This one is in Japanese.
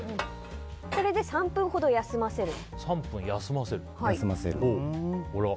これで３分ほど休ませると。